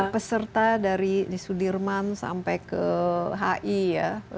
peserta dari sudirman sampai ke hi ya